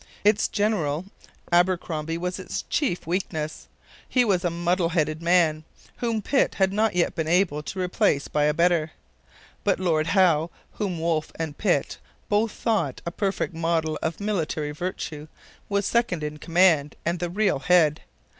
Its general, Abercromby, was its chief weakness. He was a muddle headed man, whom Pitt had not yet been able to replace by a better. But Lord Howe, whom Wolfe and Pitt both thought 'a perfect model of military virtue,' was second in command and the real head.